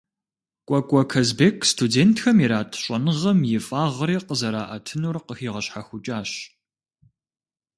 Кӏуэкӏуэ Казбек студентхэм ират щӏэныгъэм и фӏагъри къызэраӏэтынур къыхигъэщхьэхукӏащ.